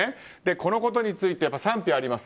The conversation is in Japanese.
このことについて賛否あります。